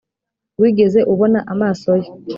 wigeze ubona amaso ye